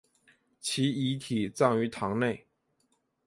其遗体葬于堂内。